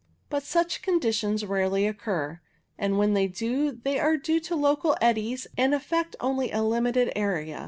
But such conditions rarely occur, and when they do they are due to local eddies and affect only a limited area.